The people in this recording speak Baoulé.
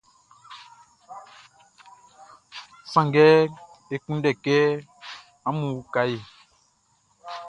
Sanngɛ e kunndɛ kɛ amun uka e.